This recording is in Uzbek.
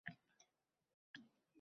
Rasul alayhissalomda bu narsa bormidi?